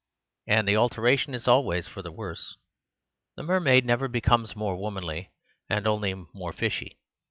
And the alteration is always for the worse. The mermaid never becomes more womanly, but only more fishy.